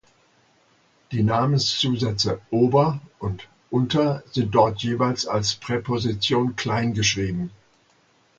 Die Namenszusätze "ober" und "unter" sind dort jeweils als Präposition klein geschrieben.